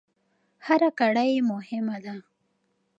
هر کړۍ مهمه ده.